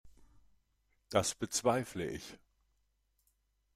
Das bezweifle ich.